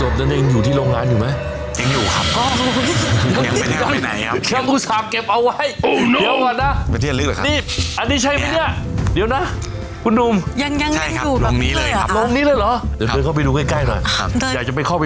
มีคนหลังหยีบแล้วก็เป็นร้างเลยครับ